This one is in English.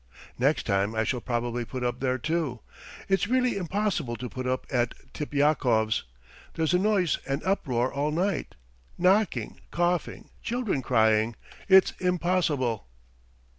"Next time I shall probably put up there too. It's really impossible to put up at Tipyakov's! There's noise and uproar all night! Knocking, coughing, children crying. ... It's impossible!"